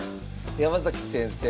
山崎先生。